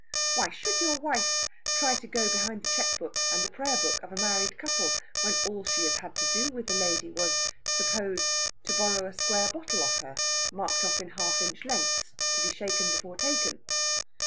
Why should your wife try to go behind the cheque book and the prayer book of a married couple when all she has had to do with the lady was, suppose, to borrow a square bottle of her, marked off in half inch lengths, to be shaken before taken?